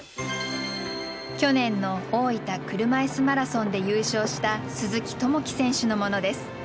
去年の大分車いすマラソンで優勝した鈴木朋樹選手のものです。